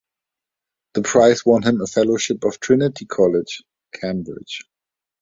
The prize won him a Fellowship of Trinity College, Cambridge.